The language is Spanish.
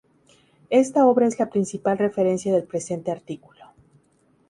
Esta obra es la principal referencia del presente artículo.